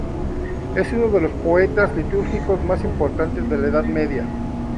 Es uno de los poetas litúrgicos más importantes de la Edad Media.